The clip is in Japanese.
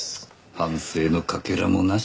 反省のかけらもなしか。